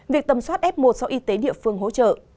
việc tầm soát f một do y tế địa phương hỗ trợ